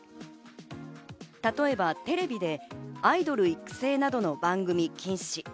例えば、テレビでアイドル育成などの番組禁止。